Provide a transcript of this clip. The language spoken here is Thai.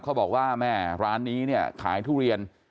เขาบอกว่าร้านนี้ขายทุเรียน